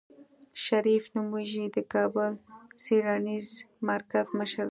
شريف نومېږي د کابل د څېړنيز مرکز مشر دی.